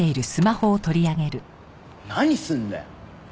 何すんだよ！